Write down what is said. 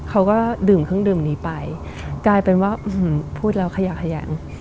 เขาก็ดื่มเครื่องดื่มนี้ไปกลายเป็นว่าพูดแล้วขยะขยัน